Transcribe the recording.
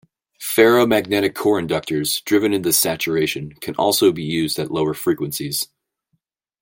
Ferromagnetic core inductors driven into saturation can also be used at lower frequencies.